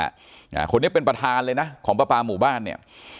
อ่าคนนี้เป็นประธานเลยนะของประปาหมู่บ้านเนี่ย